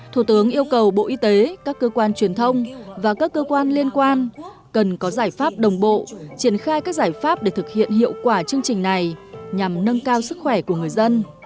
thủ tướng yêu cầu bộ y tế các cơ quan truyền thông và các cơ quan liên quan cần có giải pháp đồng bộ triển khai các giải pháp để thực hiện hiệu quả chương trình này nhằm nâng cao sức khỏe của người dân